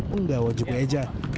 seluruh penggawa j k lezic